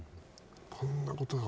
こんなことが